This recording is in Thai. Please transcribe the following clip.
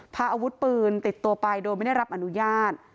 พาอาวุธปืนติดตัวไปโดยไม่ได้รับอนุญาต